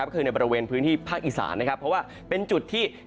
คือในบริเวณพื้นที่ภาคอีสานนะครับเพราะว่าเป็นจุดที่